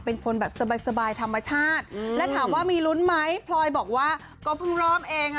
เป็นคนแบบสบายธรรมชาติและถามว่ามีลุ้นไหมพลอยบอกว่าก็เพิ่งเริ่มเองค่ะ